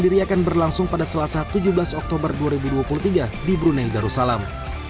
diri akan berlangsung pada selasa tujuh belas oktober dua ribu dua puluh tiga di brunei darussalam